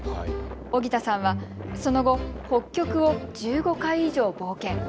荻田さんはその後、北極を１５回以上冒険。